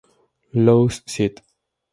Los 'St.